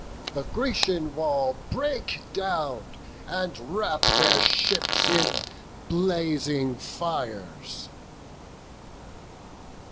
the Grecian wall Break down, and wrap their ships in blazing fires."